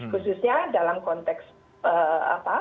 khususnya dalam konteks apa